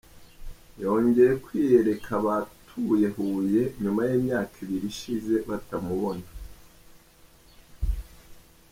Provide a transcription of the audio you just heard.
Yongeye kwiyereka abatuye Huye nyuma y’imyaka ibiri ishize batamubona.